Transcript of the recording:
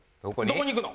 どこ行くの？